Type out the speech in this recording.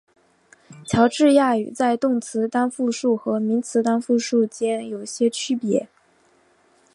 乔治亚语在动词单复数和名词单复数间有些区别。